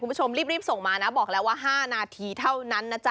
คุณผู้ชมรีบส่งมานะบอกแล้วว่า๕นาทีเท่านั้นนะจ๊